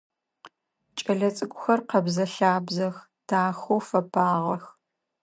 Кӏэлэцӏыкӏухэр къэбзэ-лъабзэх, дахэу фэпагъэх.